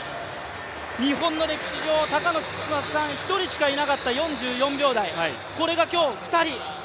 日本の歴史上、高野さんしかいなかった記録がこれが、今日２人！